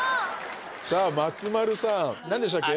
さあ松丸さん、なんでしたっけ。